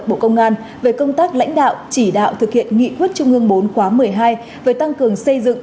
bộ công an về công tác lãnh đạo chỉ đạo thực hiện nghị quyết trung ương bốn khóa một mươi hai về tăng cường xây dựng